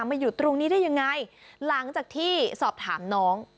มาอยู่ตรงนี้ได้ยังไงหลังจากที่สอบถามน้อง